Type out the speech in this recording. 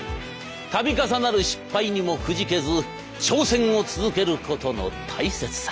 度重なる失敗にもくじけず挑戦を続けることの大切さ。